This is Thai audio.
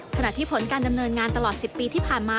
ขณะที่ผลการดำเนินงานตลอด๑๐ปีที่ผ่านมา